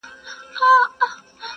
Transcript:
نه په پلونو نه په ږغ د چا پوهېږم-